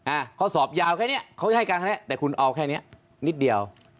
อ่าเขาสอบยาวแค่เนี้ยเขาให้การแค่นี้แต่คุณเอาแค่เนี้ยนิดเดียว